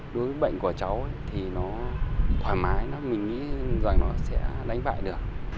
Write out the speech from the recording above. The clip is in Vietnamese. đối với bệnh của cháu thì nó thoải mái mình nghĩ rằng nó sẽ đánh bại được